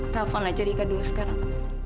telepon aja dika dulu sekarang